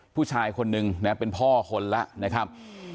ผู้ชายคนนึงนะเป็นพ่อคนแล้วนะครับ